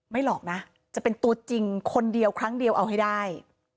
หรอกนะจะเป็นตัวจริงคนเดียวครั้งเดียวเอาให้ได้